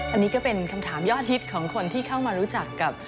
อันนี้ก็เป็นคำถามยอดฮิตของคนที่เข้ามารู้จักกับ